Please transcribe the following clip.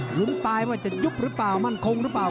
ลุ้นปลายว่าจะยุบหรือเปล่ามั่นคงหรือเปล่า